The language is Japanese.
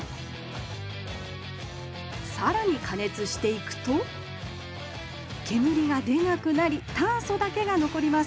さらにかねつしていくと煙がでなくなり炭素だけがのこります。